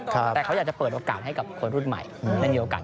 แต่เขาอยากจะเปิดโอกาสให้กับคนรุ่นใหม่ได้มีโอกาส